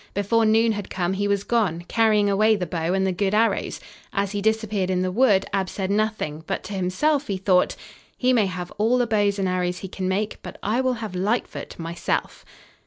Before noon had come he was gone, carrying away the bow and the good arrows. As he disappeared in the wood Ab said nothing, but to himself he thought: "He may have all the bows and arrows he can make, but I will have Lightfoot myself!"